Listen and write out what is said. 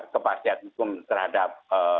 kepastian hukum terhadap